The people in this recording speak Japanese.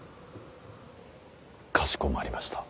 かしこまりました。